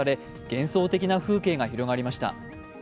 幻想的な風景が広がりました。